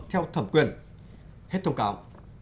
theo thẩm quyền hết thông cáo